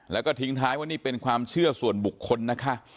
แล้วก็ทิ้งท้ายว่านี่เป็นความเชื่อส่วนบุคคลนะคะ